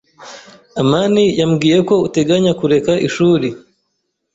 amani yambwiye ko uteganya kureka ishuri.